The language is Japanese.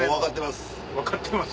分かってます。